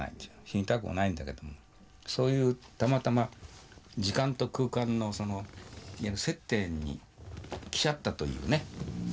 死にたくはないんだけどもそういうたまたま時間と空間のその接点に来ちゃったというね。